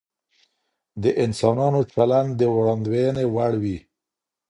د انسانانو چلند د وړاندوينې وړ وي.